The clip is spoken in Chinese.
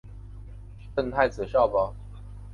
赠太子少保。